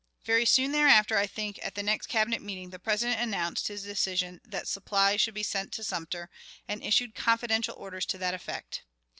Very soon thereafter, I think at the next Cabinet meeting, the President announced his decision that supplies should be sent to Sumter, and issued confidential orders to that effect.